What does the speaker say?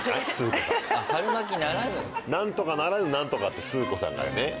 なんとかならぬなんとかってスー子さんがね